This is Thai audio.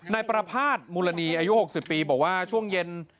นายประภาษณ์มูลณีอายุ๖๐ปีบอกว่าช่วงเย็น